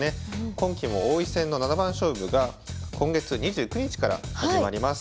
今期も王位戦の七番勝負が今月２９日から始まります。